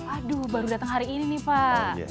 aduh baru datang hari ini nih pak